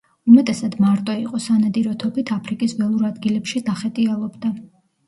უმეტესად მარტო იყო, სანადირო თოფით აფრიკის ველურ ადგილებში დახეტიალობდა.